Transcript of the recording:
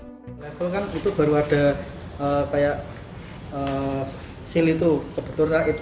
di level kan itu baru ada kayak seal itu kebetulan